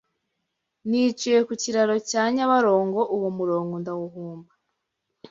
Niciye ku kiraro cya Nyabarongo uwo murongo ndawuhumba